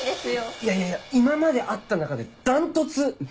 いやいや今まで会った中で断トツ！